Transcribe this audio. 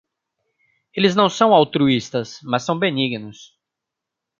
Eles não são altruístas, mas são benignos.